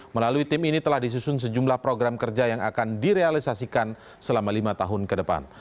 melalui tim ini telah disusun sejumlah program kerja yang akan direalisasikan selama lima tahun ke depan